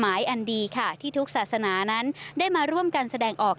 อันดีค่ะที่ทุกศาสนานั้นได้มาร่วมกันแสดงออก